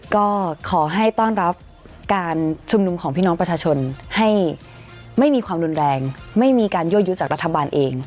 ก็ขอให้ต้อนรับการชุมนุมของพี่น้องประชาชนให้ไม่มีความรุนแรงไม่มีการยั่วยุจากรัฐบาลเอง